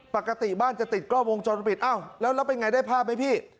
ปกติบ้านจะติดกล้องวงจรปิดอ้าวแล้วเป็นไงได้ภาพไหมพี่